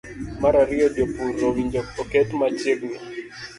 Mar ariyo jopur owinjo oket machiegni